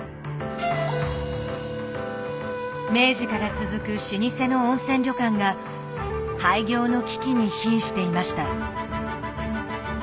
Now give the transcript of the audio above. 明治から続く老舗の温泉旅館が廃業の危機にひんしていました。